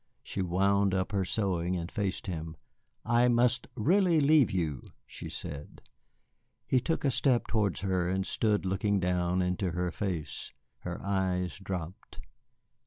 She wound up her sewing, and faced him. "I must really leave you," she said. He took a step towards her and stood looking down into her face. Her eyes dropped.